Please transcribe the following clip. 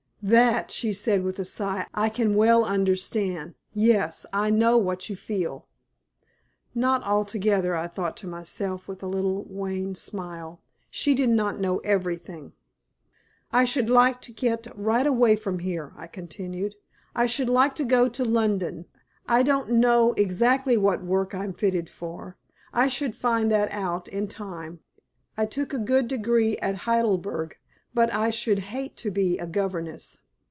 "That," she said, with a sigh, "I can well understand. Yes, I know what you feel." Not altogether, I thought to myself, with a little wan smile. She did not know everything. "I should like to get right away from here," I continued. "I should like to go to London. I don't know exactly what work I am fitted for; I should find that out in time. I took a good degree at Heidelberg, but I should hate to be a governess.